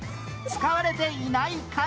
使われてないの。